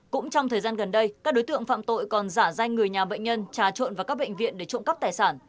cũng trong thời gian gần đây các đối tượng phạm tội còn giả danh người nhà bệnh nhân trà trộn vào các bệnh viện để trộm cắp tài sản